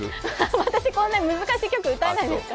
私、こんなに難しい曲、歌えないです。